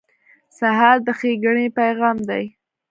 سهار د ښېګڼې پیغام دی.